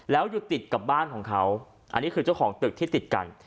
แล้วอยู่ติดกับบ้านของเขาอันนี้คือเจ้าของตึกที่ติดกัน